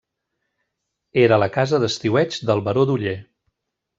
Era la casa d'estiueig del baró d'Oller.